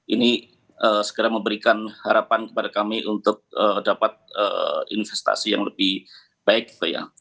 ini segera memberikan harapan kepada kami untuk dapat investasi yang lebih baik gitu ya